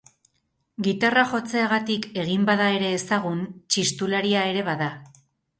Gitarra jotzeagatik egin bada ere ezagun txistularia ere bada.